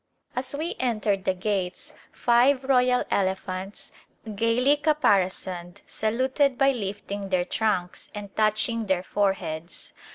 As we entered the gates five royal elephants, gaily capari soned, saluted by lifting their trunks and touching their foreheads.